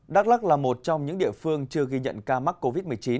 đắk lắc là một trong những địa phương chưa ghi nhận ca mắc covid một mươi chín